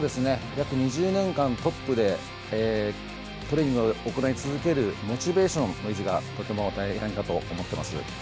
約２０年間、トップでトレーニングを行い続けるモチベーションの維持がとても大変かと思います。